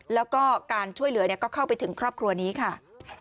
แล้วก็การช่วยเหลือก็เข้าไปถึงครอบครัวนี้ค่ะ